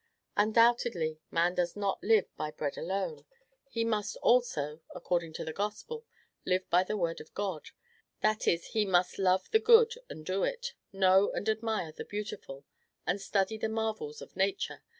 Undoubtedly, man does not live by bread alone; he must, also (according to the Gospel), LIVE BY THE WORD OF GOD; that is, he must love the good and do it, know and admire the beautiful, and study the marvels of Nature.